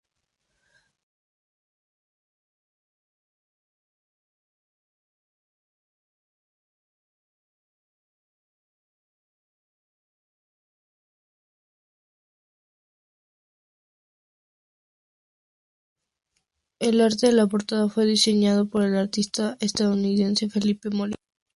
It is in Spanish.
El arte de la portada fue diseñado por el artista estadounidense Felipe Molina.